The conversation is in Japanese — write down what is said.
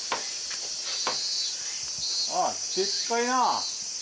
ああ、でっかいな。